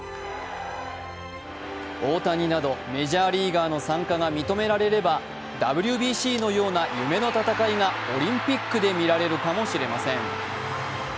大谷など、メジャーリーガーの参加が認められれば、ＷＢＣのような夢の戦いがオリンピックで見られるかもしれません。